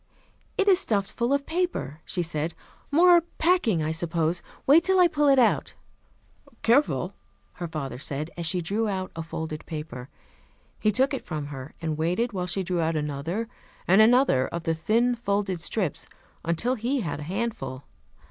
"It is stuffed full of paper," she said. "More packing, I suppose. Wait till I pull it out." "Careful," her father said, as she drew out a folded paper. He took it from her, and waited while she drew out another and another of the thin folded slips, until he had a handful.